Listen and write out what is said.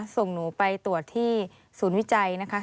ส่งหนูไปตรวจที่ศูนย์วิจัยนะคะ